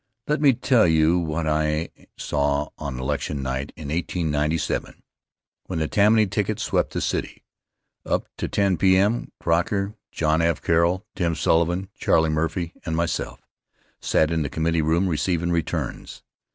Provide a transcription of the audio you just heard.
Let me tell you what I saw on election night in 1897, when the Tammany ticket swept the city: Up to 10 P.M. Croker, John F. Carroll, Tim Sullivan, Charlie Murphy, and myself sat in the committee room receivin' returns.